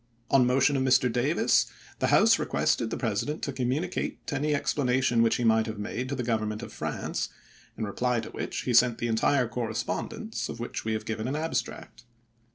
On motion of Mr. Davis the House requested the President to communicate any expla nation which he might have made to the Govern ment of France, in reply to which he sent the entire correspondence, of which we have given an abstract.